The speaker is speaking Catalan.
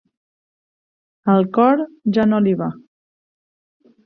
El cor ja no li va.